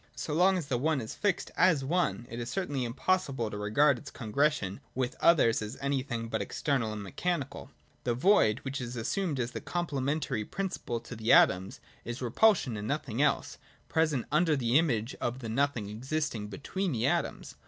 So long as the One is fixed as one, it is certainly impossible to regard its congression with others as anything but external and mechanical. The Void, which is assumed as the complementary principle to the atoms, is repul sion and nothing else, presented under the image of the nothing existing between the atoms.